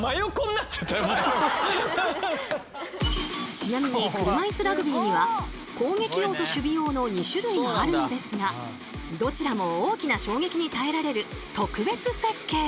ちなみに車いすラグビーには攻撃用と守備用の２種類があるんですがどちらも大きな衝撃に耐えられる特別設計。